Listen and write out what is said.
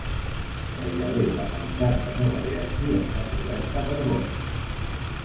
Gairebé la meitat de Nova Jersey està coberta per boscos.